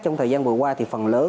trong thời gian vừa qua thì phần lớn